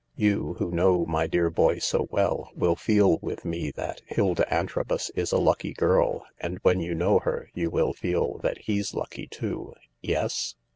You, who know my dear boy so well, will feel with me that Hilda Antrobus is a lucky girl, and when you know her you will feel that he's lucky too. Yes